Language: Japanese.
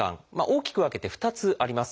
大きく分けて２つあります。